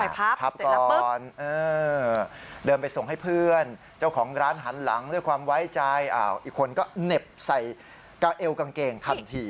พับก่อนเดินไปส่งให้เพื่อนเจ้าของร้านหันหลังด้วยความไว้ใจอีกคนก็เหน็บใส่กาเอวกางเกงทันที